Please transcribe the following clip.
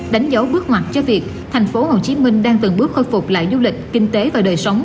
đánh dấu bước ngoặt cho việc thành phố hồ chí minh đang từng bước khôi phục lại du lịch kinh tế và đời sống